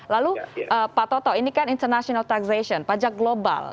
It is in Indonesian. lalu pak toto ini kan international taxation pajak global